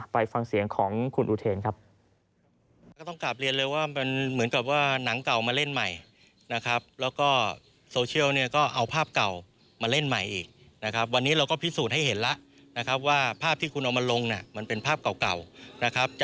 ไปฟังเสียงของคุณอุเทนครับ